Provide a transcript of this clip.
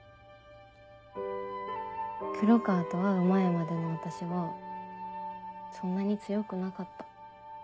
黒川と会う前までの私はそんなに強くなかった。